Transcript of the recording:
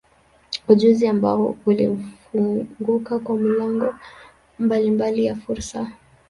Ujuzi ambao baadaye ulimfunguka kwa milango mbalimbali ya fursa.